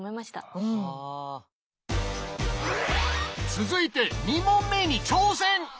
続いて２問目に挑戦！